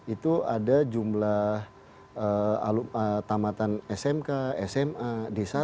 itu ada jumlah tamatan smk sma d satu